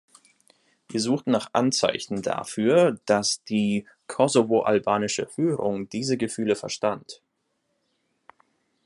Wir suchten nach Anzeichen dafür, dass die kosovoalbanische Führung diese Gefühle verstand.